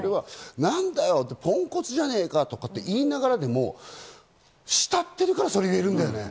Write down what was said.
なんだよポンコツじゃねえか！と言いながらでも慕ってるからそれを言えるんだよね。